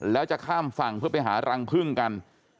แล้วจะข้ามฝั่งเพื่อไปหารังพึ่งกัน